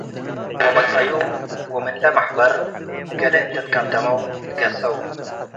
ወመጽአዩ ወምን ለመሐበር ገሌ እንዴ ትቀደመው ትገሰው።